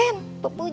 aduh ulangnya tempuju